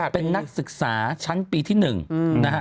เป็นนักศึกษาชั้นปีที่๑นะฮะ